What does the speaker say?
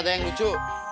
gak ada yang lucu